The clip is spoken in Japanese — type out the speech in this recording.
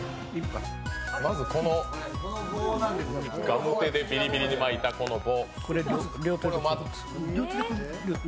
まず、ガムテでビリビリに巻いた、この棒。